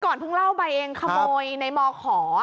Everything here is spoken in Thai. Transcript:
ก่อนเพิ่งเล่าไปเองขโมยในมขอ